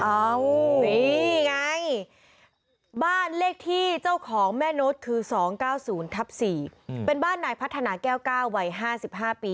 นี่ไงบ้านเลขที่เจ้าของแม่โน้ตคือ๒๙๐ทับ๔เป็นบ้านนายพัฒนาแก้ว๙วัย๕๕ปี